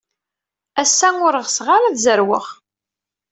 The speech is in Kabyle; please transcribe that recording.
Ass-a, ur ɣseɣ ara ad zerweɣ.